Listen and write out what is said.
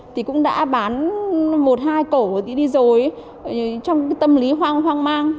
thì cũng đã bán một hai cổ đi rồi trong cái tâm lý hoang hoang mang